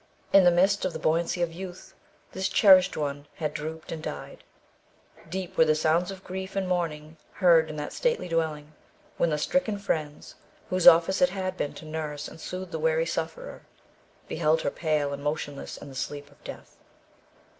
In the midst of the buoyancy of youth, this cherished one had drooped and died. Deep were the sounds of grief and mourning heard in that stately dwelling, when the stricken friends, whose office it had been to nurse and soothe the weary sufferer, beheld her pale and motionless in the sleep of death.